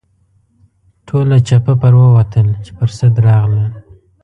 ټول چپه پر ووتل چې پر سد راغلل.